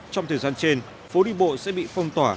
trong thời gian trên phố đi bộ sẽ bị phong tỏa